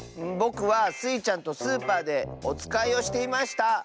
ぼくはスイちゃんとスーパーでおつかいをしていました。